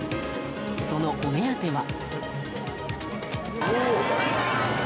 そのお目当ては。